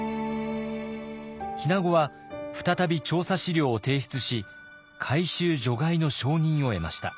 日名子は再び調査資料を提出し回収除外の承認を得ました。